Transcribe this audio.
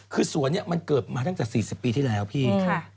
คือสวนนี้มันเกิดมาตั้งแต่๔๐ปีที่แล้วพี่